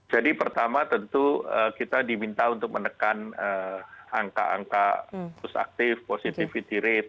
jadi pertama tentu kita diminta untuk menekan angka angka plus aktif positivity rate